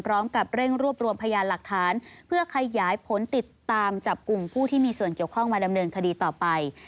พร้อมกับเร่งรวบรวมพยานหลักฐานเพื่อขยายผลติดตามจับกลุ่มผู้ที่มีส่วนเกี่ยวข้องมาดำเนินคดีต่อไป